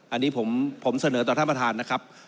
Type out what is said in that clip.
อันนี้ผมเสนอต่อท่านประธานนะครับ